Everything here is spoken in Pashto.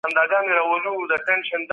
لږکي په سیاسي پریکړو کي د ګډون حق لري.